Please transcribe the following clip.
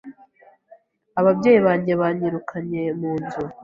Ababyeyi banjye banyirukanye mu nzu